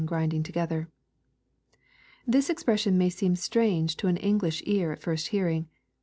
grinding together^ This expression may seem strange to an English ear at first hearing.